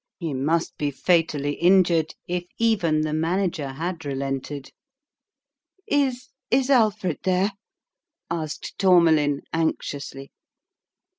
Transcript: " He must be fatally injured, if even the Manager had relented !" Is is Alfred there ?" asked Tourmalin, anxiously.